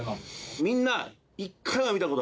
みんな。